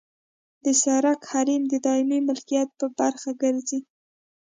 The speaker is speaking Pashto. د سرک حریم د دایمي ملکیت برخه ګرځي